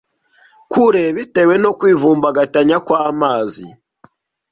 kure bitewe no kwivumbagatanya kw’amazi